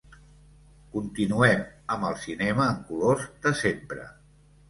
Continuem amb el cinema en colors de sempre.